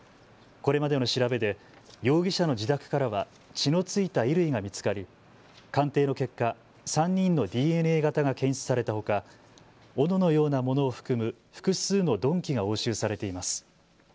これまでの調べで容疑者の自宅からは血の付いた衣類が見つかり鑑定の結果、３人のＤＮＡ型が検出されたほかおののようなものを含む複数の鈍器が押収されています。